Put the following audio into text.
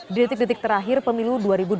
di detik detik terakhir pemilu dua ribu dua puluh